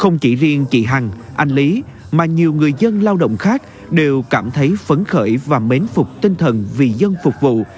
không chỉ riêng chị hằng anh lý mà nhiều người dân lao động khác đều cảm thấy phấn khởi và mến phục tinh thần vì dân phục vụ